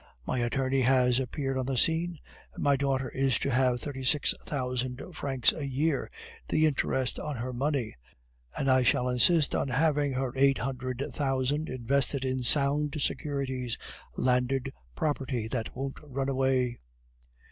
My attorney has appeared on the scene, and my daughter is to have thirty six thousand francs a year, the interest on her money, and I shall insist on having her eight hundred thousand invested in sound securities, landed property that won't run away."